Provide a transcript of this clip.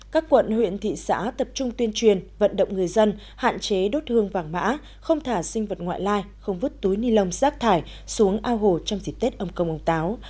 các quận huyện thị xã tập trung tuyên truyền vận động người dân hạn chế đốt hương vàng mã không thả sinh vật ngoại lai không vứt túi ni lông rác thải xuống ao hồ trong dịp tết âm công ông táo